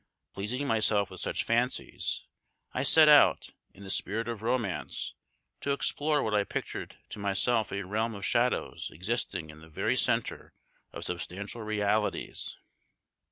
Pleasing myself with such fancies, I set out, in the spirit of romance, to explore what I pictured to myself a realm of shadows existing in the very centre of substantial realities.